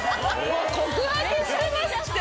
告白してますって。